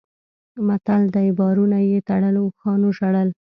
متل دی: بارونه یې تړل اوښانو ژړل.